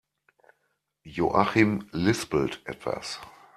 Joachim lispelt etwas.